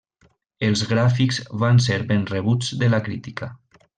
Els gràfics van ser ben rebuts de la crítica.